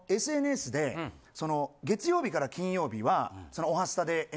あのＳＮＳで月曜から金曜は。